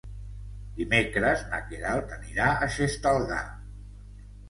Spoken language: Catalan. Dimecres na Queralt anirà a Xestalgar.